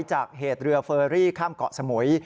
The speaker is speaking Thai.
จากเหตุเรือเฟอรี่ข้ามเกาะสมุย